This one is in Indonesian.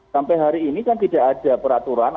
sampai hari ini kan tidak ada peraturan